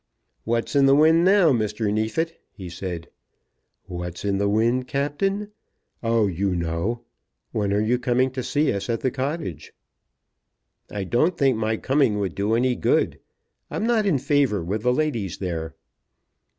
"What's in the wind now, Mr. Neefit?" he said. "What's in the wind, Captain? Oh, you know. When are you coming to see us at the cottage?" "I don't think my coming would do any good. I'm not in favour with the ladies there."